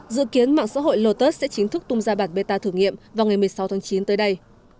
dự kiến mạng xã hội lotus sẽ chính thức tung ra bản beta thử nghiệm vào ngày một mươi sáu tháng chín tới đây